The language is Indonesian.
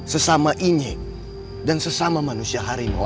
sesama ini dan sesama manusia harimau